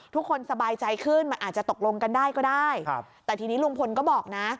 ทุกคนสบายใจขึ้นมันอาจจะตกลงกันได้ก็ได้แต่ทีนี้ลุงพลก็บอกนะ